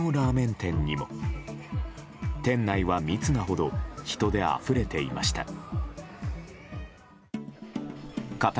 店内は、密なほど人であふれていました。